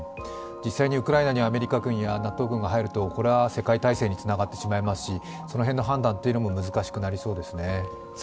実際にウクライナにアメリカ軍やＮＡＴＯ軍が入ると、これは世界大戦につながってしまいますしその辺の判断も難しくなりそうですね。